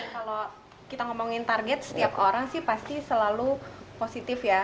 kalau kita ngomongin target setiap orang sih pasti selalu positif ya